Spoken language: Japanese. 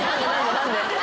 何で？